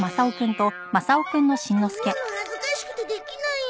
こんなの恥ずかしくてできないよ。